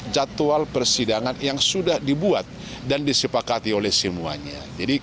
jadwal persidangan yang sudah dibuat dan disepakati oleh semuanya